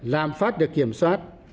làm phát được kiểm soát